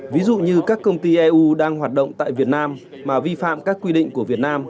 ví dụ như các công ty eu đang hoạt động tại việt nam mà vi phạm các quy định của việt nam